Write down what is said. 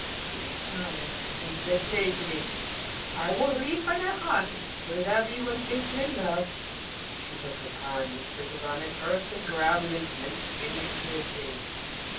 She smiled and said playfully, 'I will read by thy hand whether thou be one faithful in love.' She took his hand and sprinkled on it earth and gravel, and commenced scanning it curiously.